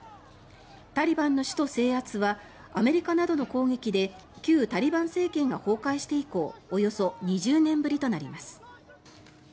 タリバンの首都制圧はアメリカなどの攻撃で旧タリバン政権が崩壊して以降およそ２０年ぶりとなります。